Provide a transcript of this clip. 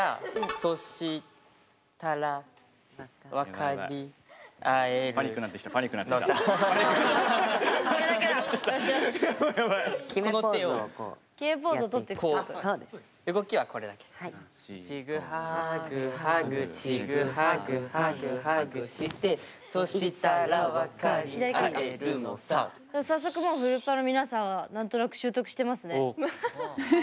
早速もうふるっぱーの皆さんは何となく習得してますね。